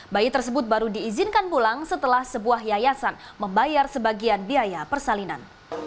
bayi tersebut baru diizinkan pulang setelah sebuah yayasan membayar sebagian biaya persalinan